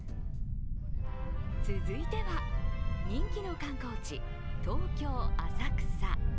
続いては人気の観光地、東京・浅草。